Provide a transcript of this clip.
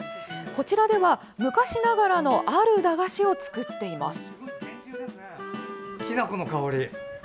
こちらでは、昔ながらのある駄菓子を作っています。